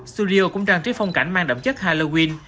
studio cũng trang trí phong cảnh mang đậm chất halloween